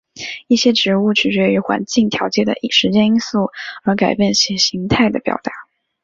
一些植物取决于环境条件的时间因素而改变其形态的表达。